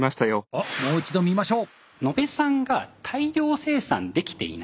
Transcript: おっもう一度見ましょう。